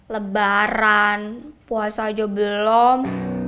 lebaran puasa aja belum